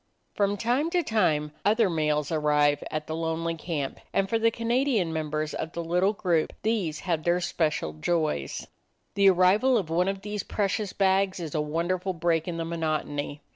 From time to time other mails arrive at the lonely camp, and for the Canadian members of the little group these have their special joys. 28 A DOG OF THE NORTHLAND The arrival of one of these precious bags is a wonderful break in the monotony.